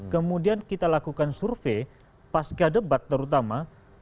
kemudian kita lakukan survei pasca debat terutama